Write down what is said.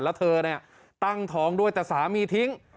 แล้วเธอเนี่ยตั้งท้องด้วยแต่สามีทิ้ง